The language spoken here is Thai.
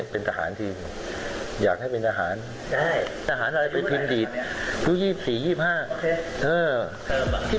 โปรดติดตามตอนต่อไป